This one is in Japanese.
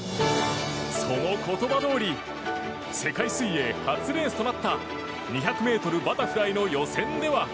その言葉どおり世界水泳初レースとなった２００ｍバタフライの予選では。